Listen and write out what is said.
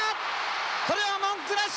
これは文句なし。